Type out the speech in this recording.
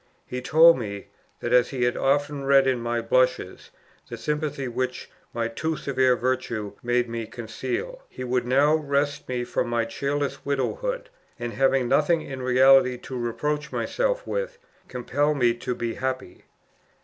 He told me, that as he had often read in my blushes the sympathy which my too severe virtue made me conceal, he would now wrest me from my cheerless widowhood; and having nothing in reality to reproach myself with, compel me to be happy.